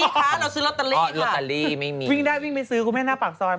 พี่คะเราซื้อลอตาลีค่ะวิ่งได้วิ่งไปซื้อคุณแม่หน้าปากซ้อน